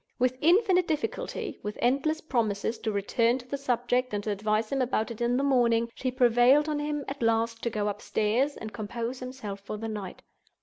With infinite difficulty, with endless promises to return to the subject, and to advise him about it in the morning, she prevailed on him, at last, to go upstairs and compose himself for the night.